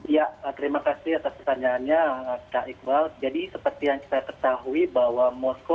ya terima kasih atas pertanyaannya kak iqbal